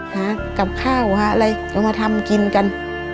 หากับข้าวหาอะไรก็มาทำกินกัน